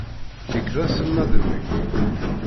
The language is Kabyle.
Nekk d aselmad-nnek.